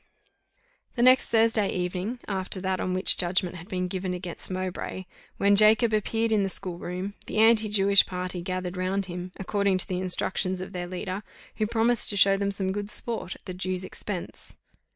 The next Thursday evening after that on which judgment had been given against Mowbray, when Jacob appeared in the school room, the anti Jewish party gathered round him, according to the instructions of their leader, who promised to show them some good sport at the Jew's expense.